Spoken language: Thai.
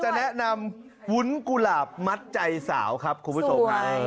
แนะนำวุ้นกุหลาบมัดใจสาวครับคุณผู้ชมฮะ